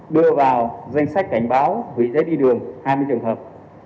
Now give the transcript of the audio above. đưa vào danh sách cảnh báo hủy giấy đi đường hai mươi trường hợp